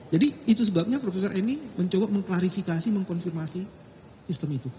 jadi itu sebabnya profesor eni mencoba mengklarifikasi mengkonfirmasi sistem itu